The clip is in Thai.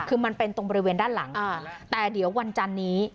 คือมันเป็นตรงบริเวณด้านหลังแต่เดี๋ยววันจันนี้